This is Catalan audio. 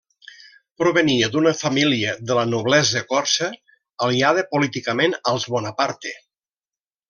Provenia d'una família de la noblesa corsa, aliada políticament als Bonaparte.